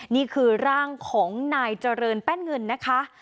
นี่คือร่างของนายเจริญแป้นเงินนะคะ